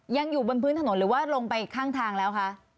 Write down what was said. ยังอยู่บนพื้นถนนหรือว่าลงไปข้างทางแล้วคะ